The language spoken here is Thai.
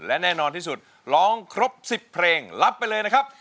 และแน่นอนที่สุดร้องครบ๑๐เพลงรับไปเลยนะครับ